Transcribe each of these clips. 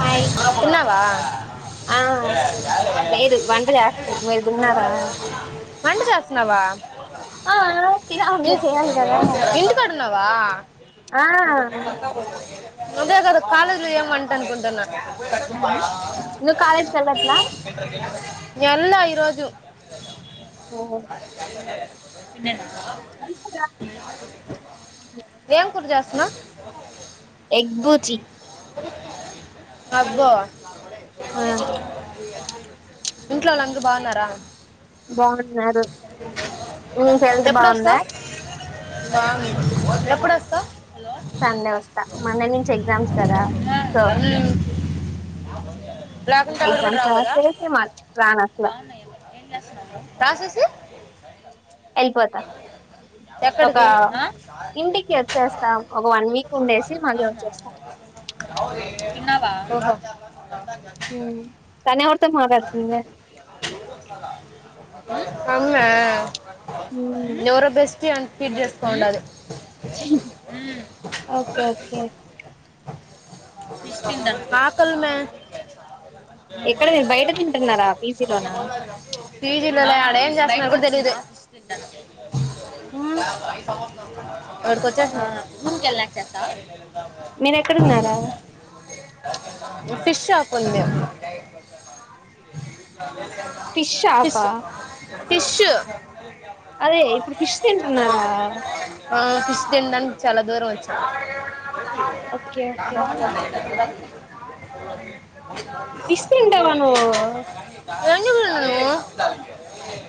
Hi తిన్నావ ఆ లేదు వంట చేస్తున్నా మీరు తిన్నారా వంట చేస్తున్నావ ఆ ఇ తినాలి చేయాలి కదా ఇంటికాడ ఉన్నావ ఆ నకాలేజ్ లో ఎం వంట అనుకుంటన నువ్వు కాలేజ్కి వెళ్ళట్లా ఎల ఈరోజు ఎం కూర చేస్తున్నావు ఎగ్ బుజి అబ్బో ఆ ఇంట్లో వాళ్ళు అంత బాగున్నార బాగున్నారు మీ హెల్త్ బాగుంద ఎప్పుడొస్తావ్ హలో సండే వస్తా మండే నుంచి ఎగ్జామ్స్ కదా so [unintelligible] black and cover exams కూడ రాసేసి మళ్ళీ రాను అట్లా వెళ్ళిపోతా [unintelligible] [inaudible] ఒక ఎక్కడికి ఆ ఇంటికి వచ్చేస్తా ఒక వన్ వీక్ ఉండేసి మళ్ళీ వచ్చేస్తా అవునా తన్నావా ాటా జాతి ఉమ్. తను ఎవరితో అగి మాట్లాడుతుంది జ అమ్మా ఎవరో బెస్టీ అని ఫీడ్ చేసుకోనుండాది ఒకే ఒకే అకల్మే ఎక్కడ మీరు బయట తింటున్నారా పీజీలోనా పేజీలో [unintelligible] [unintelligible] తెలిదు ఆ రూమ్ కేలాక చేస్తావ మీరు ఎక్కడ ఉన్నార ఫిష్ షాప్ ఉంది ఫిష్ పిష్ షాపా ఫిష్ అదే ఇప్పుడు ఫిష్ తింటున్నారా ఆ ఫిష్ తినడాానికి చాల దూరం వచ్చ ఒకే ఒకే ఫిష్ తింటావా నువ్వు [unintelligible] ఎందుకు తినను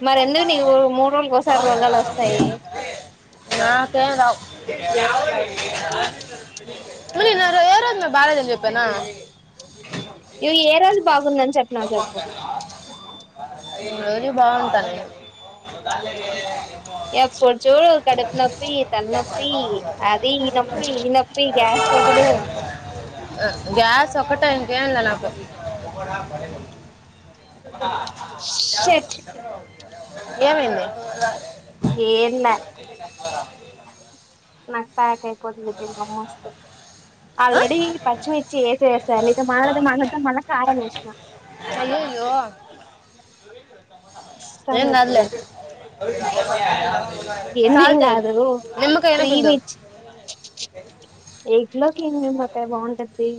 మరి ఎందుకు నీకు మూడు రోజులకి ఒకసారి రోగాలు వస్తాయి [unintelligible] బాగా లేదని చెప్పానా యు ఏ రోజు బాగుందని చెప్పినవు చెప్పు నేను రోజు బాగుంటనే ఎప్పుడు చూడు కడుపు నొప్పి తలనొప్పి అది ఈ నొప్పి ఈ నొప్పి గ్యాస్ డబ్బులు ఆ గ్యాస్ ఒక్కటే ఇంకా ఏం లే నాకు షిట్ ఏమైంది ఏం లా నాకు ప్యాక్ అయిపోతుంది తిన్నా మోస్తూ ఆ? ఆల్రెడి పచ్చిమిర్చి వేస వేస్తా నీతో మాట్లాడతా మాట్లాడతా మల్ల కారం వేసిన అయ్యయ్యో వస్తాం ఇప్పుడే యఓ ఈ ఏంది ఏం కాదు త్రీ బిందు మిచ్ ఏక్ లో ఇన్నే మా కాడ బాగుంటది తి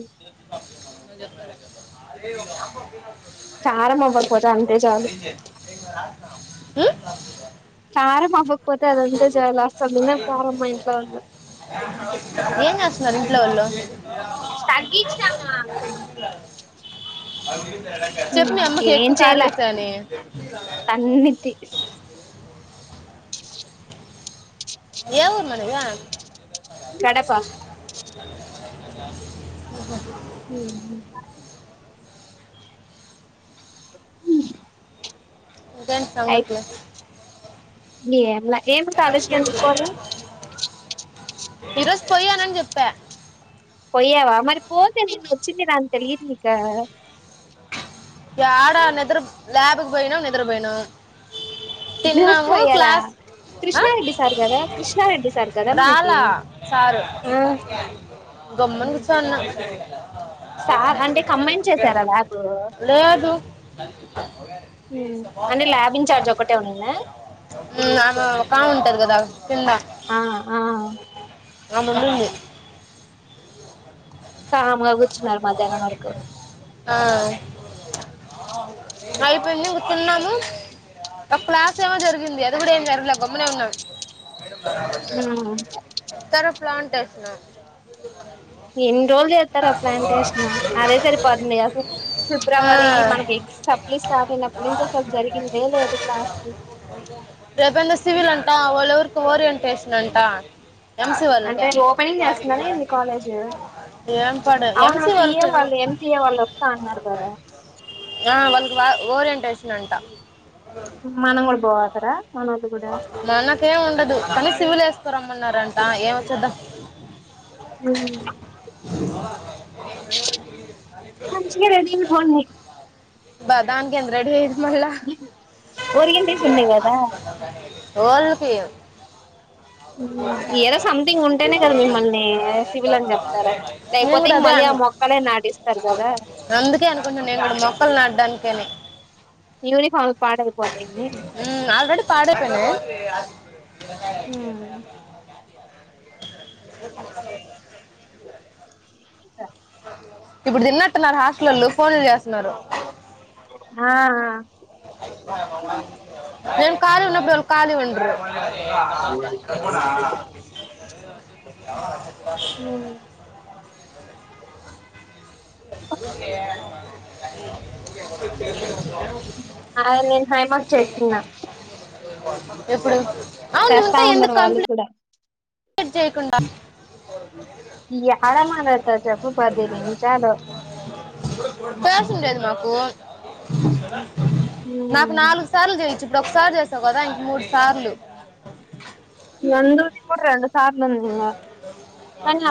కారం [unintelligible] అవ్వకపోతే అంతే చాలు ఉ కారం అవ్వకపోతే అది అంత జా లాస్ట్ అది తినం కారం మా ఇంట్లో ఉన్నా ఏం చేస్తున్నారు ఇంట్లో వాళ్ళు స్టాగ్ ఇచ్చినామా ఉ చెప్పు మీ అమ్మకి నువ్ ఏం ఎక్కువ కారం చేయాల వేసాయని అన్ని తీ [inaudible] ఏ ఊరు మనది కడప ఆహా ఉహు ఉ ఇంకా ఏం సంగత్లే నీ ఏంలా ఏమి కాలేజ్ కి ఎందుకు పోలే ఈరోజు పోయానని చెప్పా పోయ్యావా మరి పోతే నిన్న వచ్చింది రాన్ ది తెలియదు నికా యాడా నెదరు ల్యాబ్ కు పోయినము నిద్రా పోయినం తిన్నాము పోయారా క్లాస్ ఆ కృష్ణారెడ్డి సార్ కదా కృష్ణారెడ్డి సార్ కదా మనకి రాలా సారు ఆ గమ్మన్ కూర్చో అన్న సార్ అంటే కమైండ్ చేసారా లాబు లేెదు ఉ అంటే ల్యాబ్ ఇన్ఛార్జ్ ఒకటే ఉన్నిందా ఆమె ఒకామె ఉంటది గదా కింద ఆ ఆ అను నుండి కామ్గా కూర్చున్నారు మధ్యాహ్నం వరకు ఆ అయిపోయింది ఇంగ తిన్నాము ఒక క్లాస్ ఏమో జరిగింది అది కూడా ఏం జరగలే గమ్మునే ఉన్నాడు ఉమ్, తారు ప్లాంటేషనో ఎన్ రోల్ చేత్ తార ప్లాంటేషన్ ఆ అదే సరిపోతుంది అసలు ఫిబ్రవరి మనకు సప్లి స్టార్ట్ అయిన అప్పటి నుంచో స్టాగ్ జరిగింది ఏ లేదు క్లాస్ రేపు ఏందో సివిల్ అంటా వాళ్ళు ఎవరికో ఓరియంటేషన్ అంటా అంటే ఓపెనింగ్ చేస్తున్నారా ఏంది కాలేజ్ ఏం పడు అవునా ఎంసీ సీఏ వాళ్ళకి వాళ్ళు ఎంసీఏ వాళ్ళు వస్తా అన్నారు కదా ఆ వాళ్ళకి వాల్ ఓరియంటేషన్ అంట మనం కూడా పోతారా మనోళ్ళు కూడా మనకేం ఉండదు కానీ సివిల్ వేసుకరం మన్నారంటా ఏం వచ్చేద్దాం [unintelligible] మంచిగా రెడీ అయిపోండి బ దానికి ఏంది రెడీ అయ్యేది మల్ల ఓరియంటేషన్ డే కదా రోల్ పీఎం ఏదో సంథింగ్ ఉంటేనే కదా మిమ్మల్ని సివిల్ అని చెప్తారా నేను లేకపోతే కూడా ఇంక అదే మళ్ళీ ఆ మొక్కలే నాటిస్తారు కదా అందుకే అనుకుంటు నేను ఆ మొక్కలు నాడడానికేనే యూనిఫామ్లు పాడైపోతాయని ఆల్రెడీ పాడైపోయినయా [inaudible] ఇప్పుడు తిన్నట్టున్నారు హాస్టల్లో ఫోన్లు చేస్తున్నారు ఆ నేను కాళీ ఉన్నప్పుడు నువ్వు కాళీ ఒండ్రు [unintelligible] ఆ హామ్ ఆల్రెడీ హ్యాండ్ వాష్ చేసుకున్న అవును నువ్వు ఇంకా ఎందుకు ఉండరు వాళ్ళు కంప్లైంట్ కూడా ప్లీట్ చేయకుండా య ఆడ మాట్లాడుతది చెప్పు పదినిమిషాలు పేర్స్ ఉండేది మాకు నాకు నాలుగు సార్లు చెయ్యొచ్చు ఇప్పుడు ఒకసారి చేసావు కదా ఇంకా మూడు సార్లు నందు రిపోర్టరా అ [inaudible]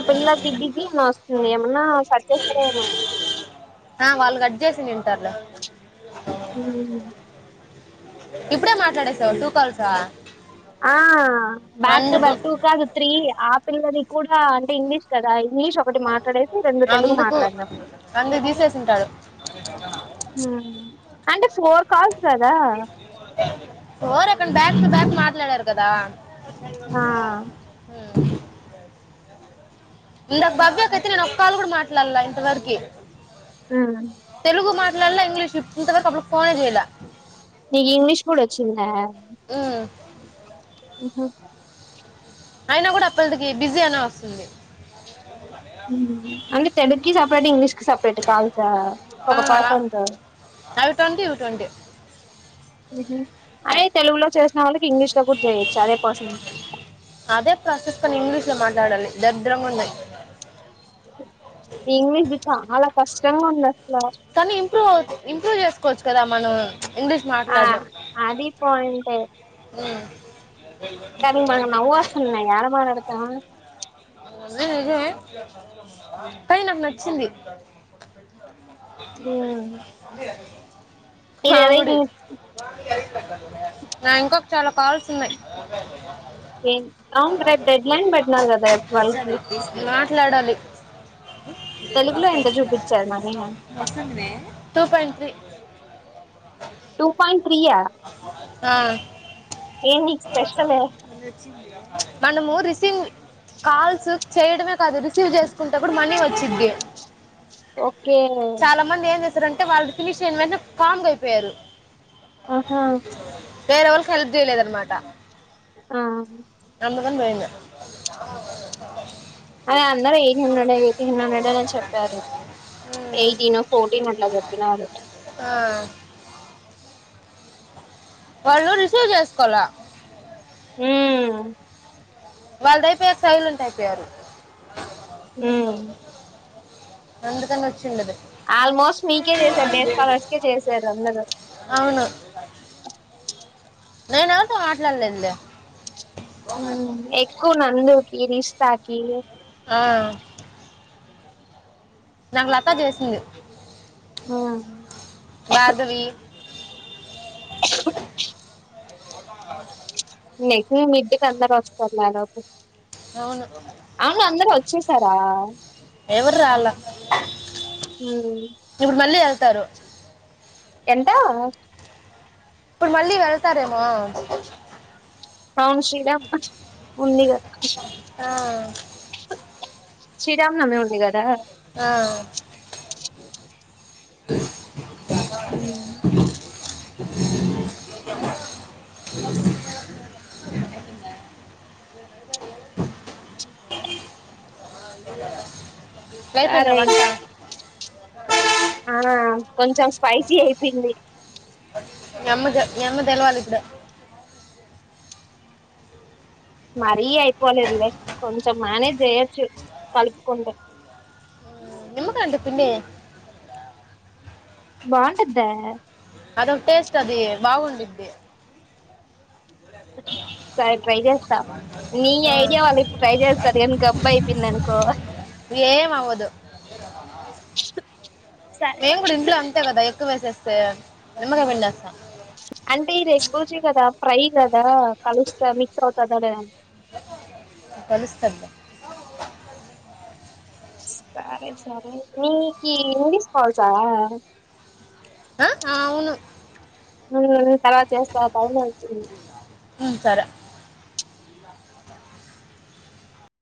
పిల్లకి బిజీ అని వస్తుంది ఏమన్నా సెర్చ్ చేస్తారేమో ఆ వాళ్ళు గట్ చేసింది తింటారులే ఉ ఇప్పుడే మాట్లాడేసావు టూ కాల్స ఆ బ్యాక్ బ్యాక్ టూ కాదు త్రీ ఆ పిల్లని కూడా అంటే ఇంగ్లీష్ కదా ఇంగ్లీష్ ఒకటి మాట్లాడేసి రెండు తెలుగు అందుకు మాట్లాడినాం అందుకు తీసేసి ఉంటాడు అంటే ఫోర్ కాల్స్ కదా ఎవరక్కడ బ్యాక్ టు బ్యాక్ మాట్లాడారు కదా ఆ ఇందాక భవ్యాకయితే నేను ఒక కాలు కూడా మాట్లాడలా ఇంతవరకి తెలుగు మాట్ ఇంగ్లీష్ ఇంతవరకు అసలు ఫోనే చేయాలా నీకు ఇంగ్లీష్ కూడా వచ్చింద ఉ అయినా కూడా అపిల్ల కి బిజీ అనే వస్తుంది అంటే తెలుక్కి సెపరేట్ ఇంగ్లీష్ సపరేట్ కాల్సా ఆ, ఒక పాసంత అవి ట్వంటీ ఇవి ట్వంటీ హ్మ్ హు అదే తెలుగులో చేసిన వాళ్ళ ఇంగ్లీష్ లో కూడా చేయచ్చు అదే పర్సన్ కొన్ని ఇంగ్లీషులో మాట్లాడాలి దరిద్రంగా ఉంది ఇంగ్లీష్ ది చాలా కష్టంగా ఉంద్ అ కానీ ఇంప్రూవ్ అవు ఇంప్రూవ్ చేసుకోవచ్చు కదా మనం ఇంగ్లీష్ ఆ మాట్లాడను అది పాయింటే హ్మ్ కానీ మక్ నవ్వువాస్తుంది యాడ మాట్లాడుతా అది నిజమే కానీ నాకు నచ్చింది ఉమ్ ఇదేదో పామిడి నావి ఇంకా చాలా కాల్స్ ఉన్నాయ్. అవును రేపు డెడ్ లైన్ పెట్టినారు కదా రేపు ట్వెల్వ్ కి నా లడలి. తెలుగులో ఎంత చూపించారు money two point three two point ఆ ఏమి స్పెషలు మనము రిసిన్ కాల్స్ చేయడమే కాదు రిసీవ్ చేసుకుంటే కూడా మనీ వచ్చిద్ది ఓకే. [unintelligible] వాళ్ళు ఫినిష్ అయినా వెంటనే కామ్ గా అయిపోయారు ఆహా వేరె వాళ్ళకి హెల్ప్ చేయలేదనమాట ఆ [unintelligible] అ అందరు ఎయిట్ హండ్రెడ్ ఎయిటీన్ హండ్రెడ్ అని చెప్పారు ఉమ్. ఎయిటీనో ఫోర్టీన్ అట్లా చెప్పినారు ఆ. వాళ్ళు రిసీవ్ చేసుకోలా హ్మ్ వాళ్ళది అయిపోయాక సైలెంట్ అయిపోయారు హ్మ్ అందుకని వచ్చిండదు ఆల్మోస్ట్ మీకే చేసారు డ్రెస్ కాలర్స్కే చేసారు అందరు నేన ఎవరుతో మాట్లాడులేదులే హ్మ్ ఎక్కువ నందుకి రిషితాకి ఆ నాకు లతా చేసింది ఆ భార్గవి ఆ నెక్ మీ మిడ్డేకి అందరు వస్తారు దాదాపు అవును. చేసారా ఎవరా అళ్ళు అవునండి. తరు ఎంత ఇప్పుడు మళ్ళీ వెళ్తారేమో అవును శ్రీరామ్ ఉందిగా ఆ శ్రీరామనవమి ఉంది కదా ఆ ఉ లే సరే [unintelligible] అయితే ఆ కొంచెం స్పైసీ అయిపోయింది మీ అమ్మ జ మీ అమ్మ తెలవాల ఇప్పుడు మరీ అయిపోలేదు లే కొంచం మేనేజ్ చేయొచ్చు కలుపుకుంటే నిమ్మకాయ ఉంటే పిండేయ్ బాగుంటదా అదొక టేస్ట్ అది బాగుండిద్ది సరే ట్రై చేస్తా నీ ఆ, ఐడియా వాళ్ళు ఇప్పుడు ట్రై చేస్తారు గబ్బు అయిపోయింది అనుకో ఏం అవ్వదు సరే మేము కూడా ఇంట్లో అంతే కదా ఎక్కువ సె నిమ్మకాయ పిండేస్తా అంటే ఇది బూర్జి కదా ప్రై గ దా కలుస్తా మిక్స్ అవుతాదో లేదో అని కలుస్తుంది సరే సరే నికి ఇంగ్లీష్ కాల్స్ ఆ ఆ అవును హ్మ్ హ్మ్ తర్వాత చేస్తా టైం అయితుం హ్మ్ సరే